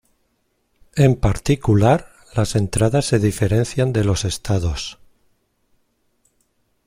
En particular, las entradas se diferencian de los estados.